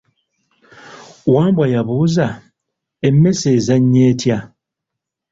Wambwa yabuuza, emmese ezannya etya?